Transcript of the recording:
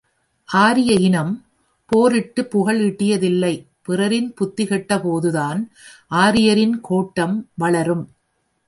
ஆரிய இனம் போரிட்டுப் புகழ் ஈட்டியதில்லை பிறரின் புத்தி கெட்டபோதுதான் ஆரியரின் கொட்டம் வளரும்!